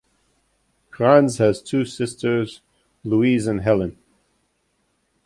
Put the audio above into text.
Kranz has two sisters, Louise and Helen.